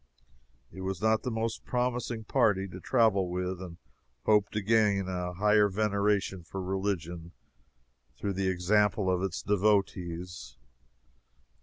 It was not the most promising party to travel with and hope to gain a higher veneration for religion through the example of its devotees.